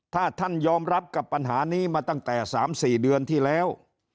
ถ้าท่านยอมรับกับปัญหานี้มาตั้งแต่๓๔เดือนที่แล้ว